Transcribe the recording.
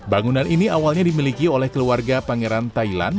bangunan ini awalnya dimiliki oleh keluarga pangeran thailand